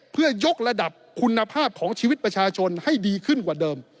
เพื่อยกระดับคุณภาพของชีวิตประชาชนให้ดีขึ้นกว่าเดิม